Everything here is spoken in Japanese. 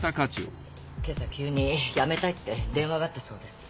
今朝急に辞めたいって電話があったそうです。